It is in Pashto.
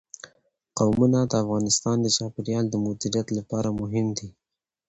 قومونه د افغانستان د چاپیریال د مدیریت لپاره مهم دي.